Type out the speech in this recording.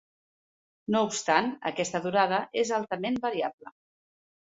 No obstant aquesta durada és altament variable.